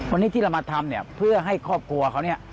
วันนี้ที่เรามาทำเพื่อให้ครอบครัวเขา